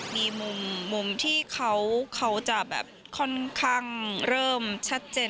มีมุมที่เขาจะแบบค่อนข้างเริ่มชัดเจน